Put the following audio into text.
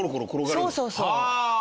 そうそうそう。